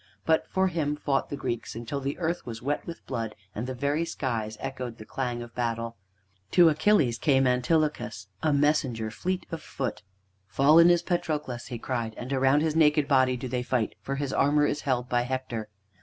But for him fought the Greeks, until the earth was wet with blood and the very skies echoed the clang of battle. To Achilles came Antilochos, a messenger fleet of foot. "Fallen is Patroclus!" he cried, "and around his naked body do they fight, for his armor is held by Hector."